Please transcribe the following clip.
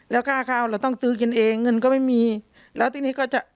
แล้วค่าข้าวเราต้องซื้อกินเองเงินก็ไม่มีแล้วทีนี้ก็จะ